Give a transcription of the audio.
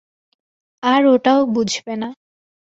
আর ওটাও বুঝবে না।